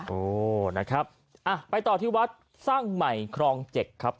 โอ้นะครับไปต่อที่วัดสร้างใหม่ครอง๗ครับ